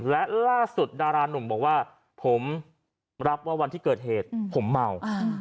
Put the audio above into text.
และล่าสุดดารานุ่มบอกว่าผมรับว่าวันที่เกิดเหตุผมเมา